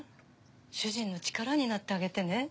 主人の力になってあげてね。